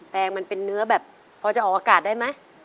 แปงมันเป็นเนื้อแบบพอจะออกอากาศได้ไหม